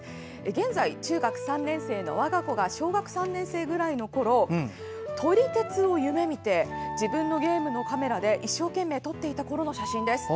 現在、中学３年生のわが子が小学３年生ぐらいのころ撮り鉄を夢みて自分のゲームのカメラで一生懸命とっていたころの写真です。